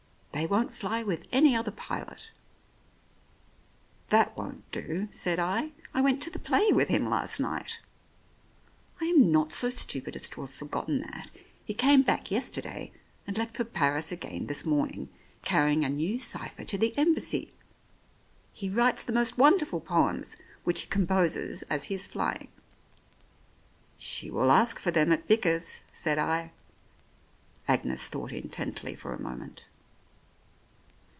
They won't fly with any other pilot " "That won't do," said I. "I went to the play with him last night." "I am not so stupid as to have forgotten that. He came back yesterday, and left for Paris again this morning, carrying a new cypher to the Embassy. He writes the most wonderful poems, which he com poses as he is flying." "She will ask for them at Bickers," said I. Agnes thought intently for a moment.